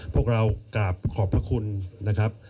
พวกเรากราบขอบพระคุณนะครับ